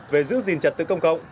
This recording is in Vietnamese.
về giữ gìn trật tự công cộng